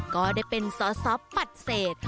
ก็ได้เป็นสอสอปัดเศษ